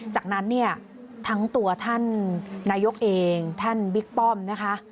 จากนั้นเนี่ยทั้งตัวท่านนายกเองท่านบิ๊กป้อมนะคะ